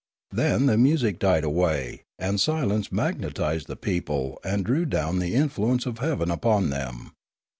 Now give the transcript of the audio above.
Then the music died away and silence magnetised the people and drew down the influence of heaven upon them.